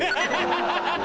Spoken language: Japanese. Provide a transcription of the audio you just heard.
ハハハハ！